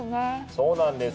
そうなんです。